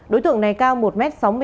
đối tượng này cao một m sáu mươi bốn